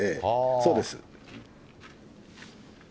そうです。